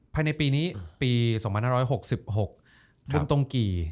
ภายในปีนี้ปี๒๐๖๖บุญตงกี่